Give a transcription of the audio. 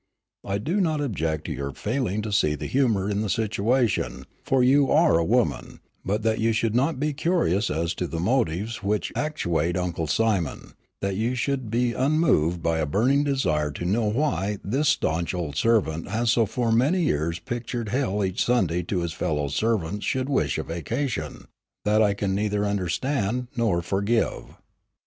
I do not object to your failing to see the humor in the situation, for you are a woman; but that you should not be curious as to the motives which actuate Uncle Simon, that you should be unmoved by a burning desire to know why this staunch old servant who has for so many years pictured hell each Sunday to his fellow servants should wish a vacation that I can neither understand nor forgive."